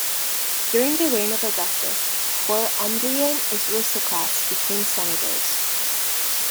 During the reign of Augustus, four Umbrian aristocrats became senators.